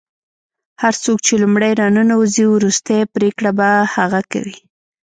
هر څوک چې لومړی راننوځي وروستۍ پرېکړه به هغه کوي.